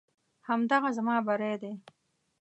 همدغه زما بری دی.